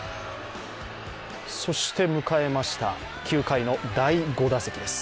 そして迎えました９回の第５打席です。